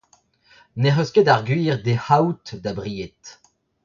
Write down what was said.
N’ec'h eus ket ar gwir d’he c'haout da bried.